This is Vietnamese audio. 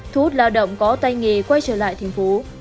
thu hút lao động có tài nghề quay trở lại tp